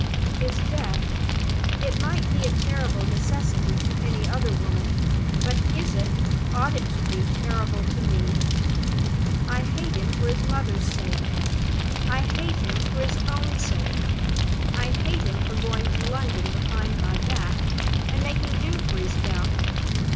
"His death! It might be a terrible necessity to any other woman; but is it, ought it to be terrible to Me? "I hate him for his mother's sake. I hate him for his own sake. I hate him for going to London behind my back, and making inquiries about me.